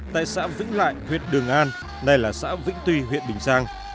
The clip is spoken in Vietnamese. tại xã vĩnh lại huyện đường an này là xã vĩnh tuy huyện bình giang